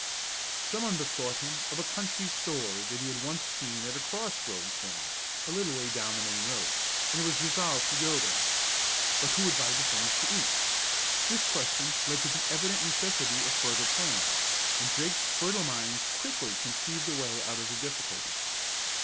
Some one bethought him of a country store that he had once seen at a cross road corner a little way down the main road, and it was resolved to go there. But who would buy the things to eat? This question led to the evident necessity of further plans, and Drake's fertile mind quickly conceived a way out of the difficulty.